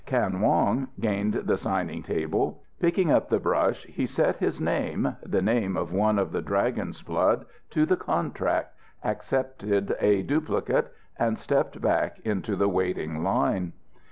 Kan Wong gained the signing table. Picking up the brush, he set his name, the name of one of the Dragon's blood, to the contract, accepted a duplicate, and stepped back into the waiting line.